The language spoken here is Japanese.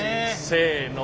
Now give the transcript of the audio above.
せの。